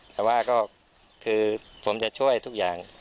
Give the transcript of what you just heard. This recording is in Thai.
แต่ว่าก็คือผมจะช่วยทุกอย่าง